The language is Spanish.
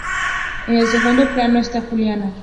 En el segundo plano está Juliana.